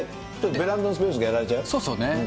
ベランダのスペースがやられそうですよね。